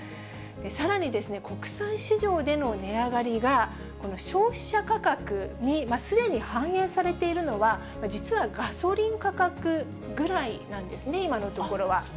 さらに国際市場での値上がりが、この消費者価格に、すでに反映されているのは、実はガソリン価格ぐらいなんですね、今のところは。